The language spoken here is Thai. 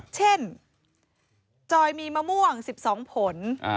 เช่นจอยมีมะม่วง๑๒ผล